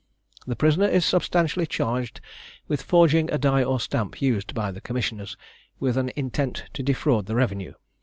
The prisoner is substantially charged with forging a die or stamp used by the commissioners, with an intent to defraud the revenue.